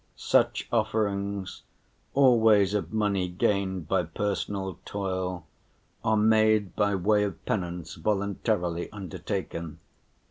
Such offerings, always of money gained by personal toil, are made by way of penance voluntarily undertaken.